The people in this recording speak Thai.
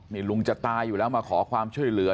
นี่ลุงจะตายอยู่แล้วมาขอความช่วยเหลือ